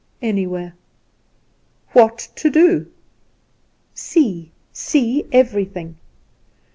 "Anywhere." "What to do?" "See see everything."